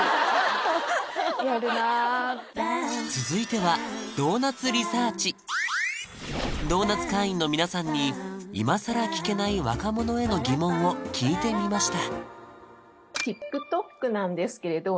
続いてはドーナツ会員の皆さんに今さら聞けない若者への疑問を聞いてみました